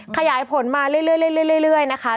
ขยายผลมาเรื่อยนะคะ